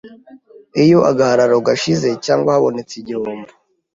Iyo agahararo gashize cyangwa habonetse igihombo